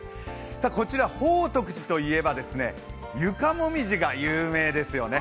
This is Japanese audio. こちら宝徳寺といえば床もみじが有名ですよね。